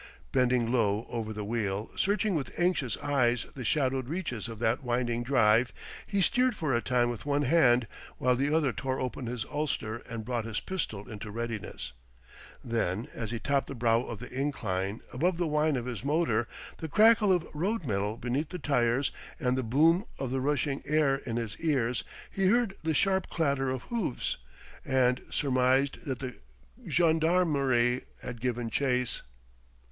Bending low over the wheel, searching with anxious eyes the shadowed reaches of that winding drive, he steered for a time with one hand, while the other tore open his ulster and brought his pistol into readiness. Then, as he topped the brow of the incline, above the whine of his motor, the crackle of road metal beneath the tires, and the boom of the rushing air in his ears, he heard the sharp clatter of hoofs, and surmised that the gendarmerie had given chase.